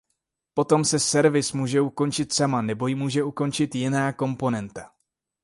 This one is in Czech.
Potom se service může ukončit sama nebo ji může ukončit jiná komponenta.